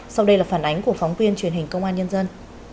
sau đây là phản ánh của phóng viên truyền hình công an nhân dân